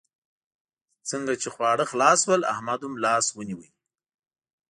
څنګه چې خواړه خلاص شول؛ احمد هم لاس ونيول.